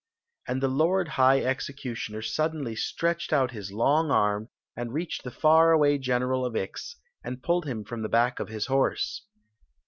And the lord high executioner sud denly Wretched out his long arm, and reached the . fer away general of Ix, and pulled him from the back of his horse.